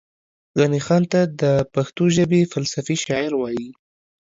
غني خان ته دا پښتو ژبې فلسفي شاعر وايي